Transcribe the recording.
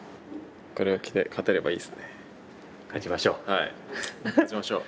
はい勝ちましょう。